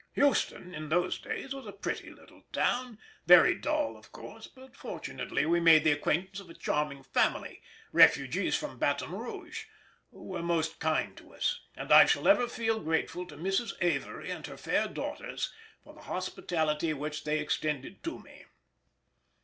Houston, in those days, was a pretty little town, very dull of course, but fortunately we made the acquaintance of a charming family, refugees from Baton Rouge, who were most kind to us, and I shall ever feel grateful to Mrs. Avery and her fair daughters for the hospitality which they extended to me.